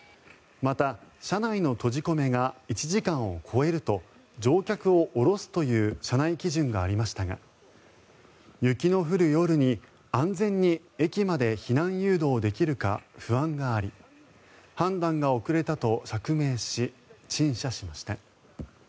また、車内の閉じ込めが１時間を超えると乗客を降ろすという社内基準がありましたが雪の降る夜に安全に駅まで避難誘導できるか不安があり判断が遅れたと釈明し陳謝しました。